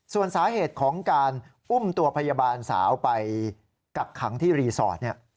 ส่วนสาเหตุของการอุ้มตัวพยาบาลสาวไปกักขังที่รีสอร์ทเนี่ย